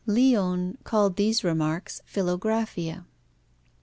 Leone called these remarks Philographia.